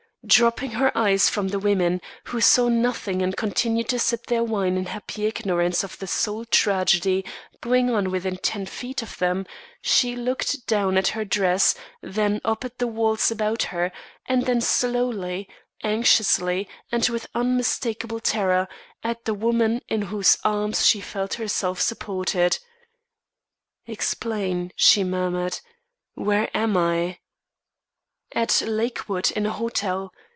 Dropping her eyes from the women, who saw nothing and continued to sip their wine in happy ignorance of the soul tragedy going on within ten feet of them, she looked down at her dress, then up at the walls about her; and then slowly, anxiously, and with unmistakable terror, at the woman in whose arms she felt herself supported. "Explain," she murmured. "Where am I?" "At Lakewood, in a hotel.